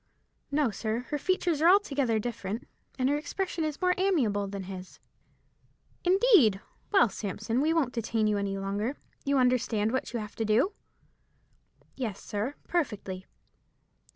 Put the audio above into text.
"No, sir. Her features are altogether different, and her expression is more amiable than his." "Indeed! Well, Sampson, we won't detain you any longer. You understand what you have to do?" "Yes, sir, perfectly."